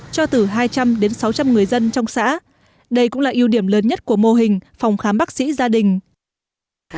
cho từ hai trăm linh đến sáu trăm linh người dân trong xã đây cũng là ưu điểm lớn nhất của mô hình phòng khám bác sĩ gia đình